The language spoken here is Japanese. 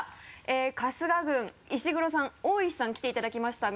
春日軍石黒さん大石さん来ていただきましたが。